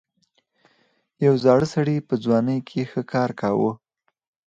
یو زاړه سړي په ځوانۍ کې ښه ښکار کاوه.